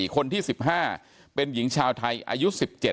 คนที่๑๕เป็นหญิงชาวไทยอายุ๑๗